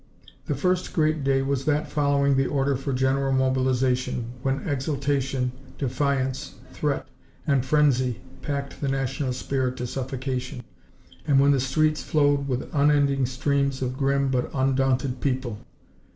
The first great day was that following the order for general mobilization, when exaltation, defiance, threat, and frenzy packed the national spirit to suffocation, and when the streets flowed with unending streams of grim but undaunted people.